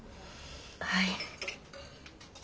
はい。